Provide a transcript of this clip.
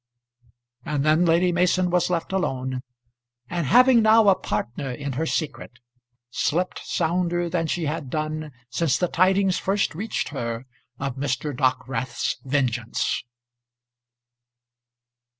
And then Lady Mason was left alone, and having now a partner in her secret, slept sounder than she had done since the tidings first reached her of Mr. Dockwrath's vengeance.